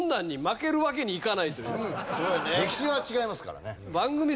歴史が違いますからね。